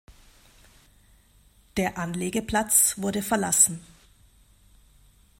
Der Anlegeplatz wurde verlassen.